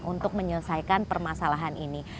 untuk menyelesaikan permasalahan ini